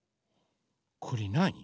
これなに？